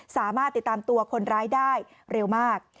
สามารถติดตามตัวคนร้ายได้เร็วมาก